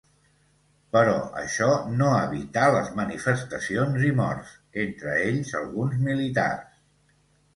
Però això no evità les manifestacions i morts, entre ells alguns militars.